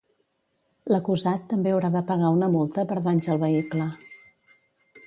L'acusat també haurà de pagar una multa per danys al vehicle.